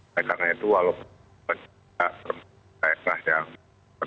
saya kata itu walaupun tidak termasuk kesehatan yang ppkm